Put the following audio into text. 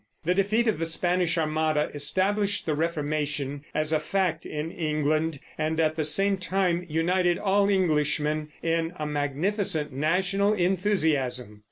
The defeat of the Spanish Armada established the Reformation as a fact in England, and at the same time united all Englishmen in a magnificent national enthusiasm.